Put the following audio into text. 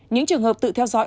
những trường hợp tự theo dõi